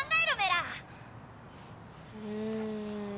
うん。